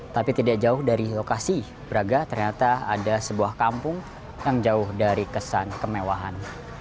tapi tidak jauh dari lokasi braga ternyata ada sebuah kampung yang jauh dari kesan kemewahan